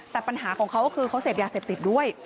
แต่ปัญหาของเขาก็คือเขาเสพยาเสพติดด้วย